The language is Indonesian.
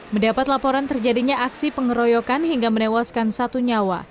mendapat laporan terjadinya aksi pengeroyokan hingga menewaskan satu nyawa